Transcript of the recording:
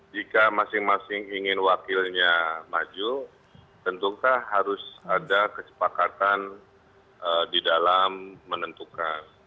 jika masing masing ingin wakilnya maju tentukah harus ada kesepakatan di dalam menentukan